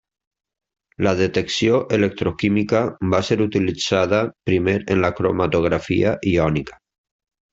La detecció electroquímica va ser utilitzada primer en la cromatografia iònica.